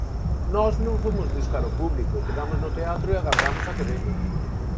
Nós non fomos buscar o público, quedamos no teatro e agardamos a que veña.